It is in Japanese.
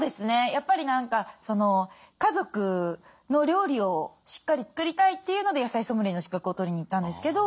やっぱり何か家族の料理をしっかり作りたいっていうので野菜ソムリエの資格を取りにいったんですけど。